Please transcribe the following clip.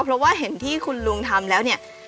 เพราะว่าเห็นที่คุณลุงทำแล้วเนี่ย